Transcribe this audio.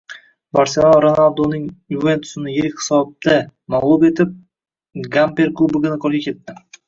“Barselona” Ronalduning “Yuventus”ini yirik hisobda mag‘lub etib, Gamper Kubogini qo‘lga kiritdi